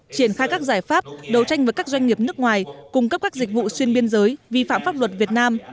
triển khai các giải pháp đấu tranh với các doanh nghiệp nước ngoài cung cấp các dịch vụ xuyên biên giới vi phạm pháp luật việt nam